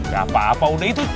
gapapa udah itu